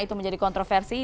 itu menjadi kontroversi